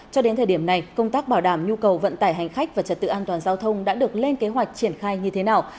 cho đến thời điểm này công tác bảo đảm nhu cầu vận tải hành khách và trật tự an toàn giao thông đã được lên kế hoạch triển khai như thế nào